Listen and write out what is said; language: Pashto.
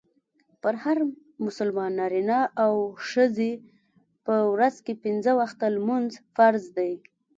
پر هر مسلمان نارينه او ښځي په ورځ کي پنځه وخته لمونځ فرض دئ.